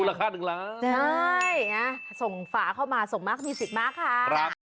คุณราคาหนึ่งล้านใช่ส่งฝาเข้ามาส่งมากมีสิทธิ์มากค่ะครับ